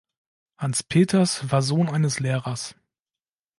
Hans Peters war Sohn eines Lehrers.